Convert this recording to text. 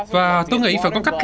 và tôi nghĩ phải có cách làm